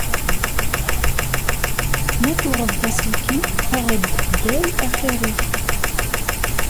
Ma tuɣeḍ-d aselkim, aɣ-d Dell axir-ik.